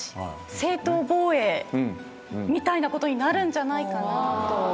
正当防衛みたいなことになるんじゃないかなと。